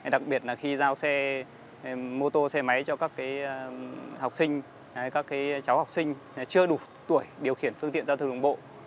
đặc biệt khi giao xe mô tô xe máy cho các học sinh các cháu học sinh chưa đủ tuổi điều khiển phương tiện giao thức đồng bộ